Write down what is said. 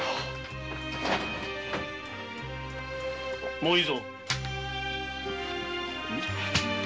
もういいぞ。